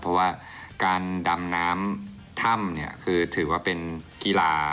เพราะว่าการดำน้ำถ้ำเนี่ยคือถือว่าเป็นกีฬา